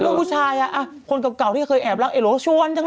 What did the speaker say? คนเก่าพวกเก่าที่เคยแอบรักเอโรโชน